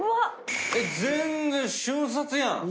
全然瞬殺やん。